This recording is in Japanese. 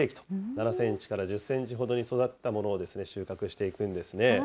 ７センチから１０センチほどに育ったものを収穫していくんですね。